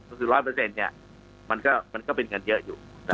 ก็คือ๑๐๐มันก็เป็นเงินเยอะอยู่